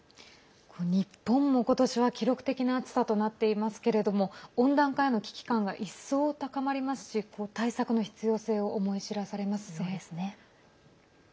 日本も今年は記録的な暑さとなっていますけれども温暖化への危機感が一層高まりますし対策の必要性を思い知らされます。